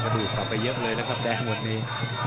กระดูกต่อไปเยอะเลยแล้วครับแดงหมดนี้